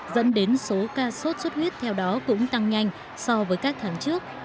dẫn đến số ca sốt xuất huyết theo đó cũng tăng nhanh so với các tháng trước